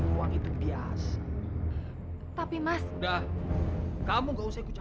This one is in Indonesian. maaf li aku gak sengaja